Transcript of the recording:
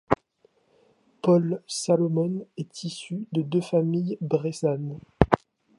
Paule Salomon est issue de deux familles bressanes.